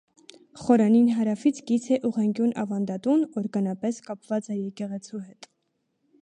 Խորանին հարավից կից է ուղղանկյուն ավանդատուն՝ օրգանապես կապված է եկեղեցու հետ։